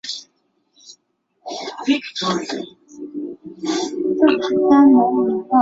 它们需要一些浮木及叶堆遮蔽处。